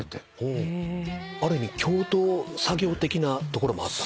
ある意味共同作業的なところもあった？